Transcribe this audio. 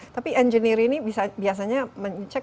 tapi engineer ini biasanya mengecek